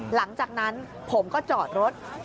หลังจากนั้นผมก็จอดรถ